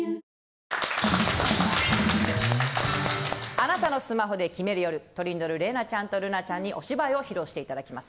貴方のスマホで決める夜トリンドル玲奈ちゃんと瑠奈ちゃんにお芝居を披露していただきます。